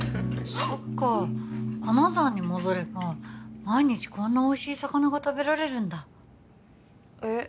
そっか金沢に戻れば毎日こんなおいしい魚が食べられるんだえっ